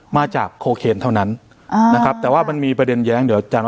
มาจากโคเคนเท่านั้นอ่านะครับแต่ว่ามันมีประเด็นแย้งเดี๋ยวจัง